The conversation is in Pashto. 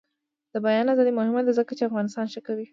د بیان ازادي مهمه ده ځکه چې افغانستان ښه کوي.